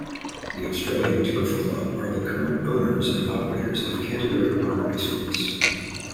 The Australian Turf Club are the current owners and operators of Canterbury Park Racecourse.